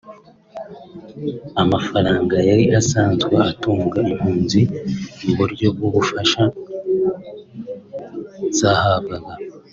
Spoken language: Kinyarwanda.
Amafaranga yari asanzwe atunga impunzi mu buryo bw’ubufasha zahabwaga